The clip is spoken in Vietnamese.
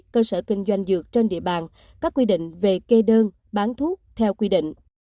cơ sở kinh doanh dược trên địa bàn các quy định về kê đơn bán thuốc theo quy định